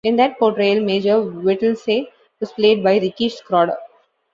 In that portrayal Major Whittlesey was played by Ricky Schroder.